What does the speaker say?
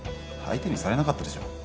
相手にされなかったでしょう